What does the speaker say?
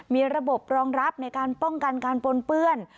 มีระบบรองรับในการป้องกันการปนเปื้อน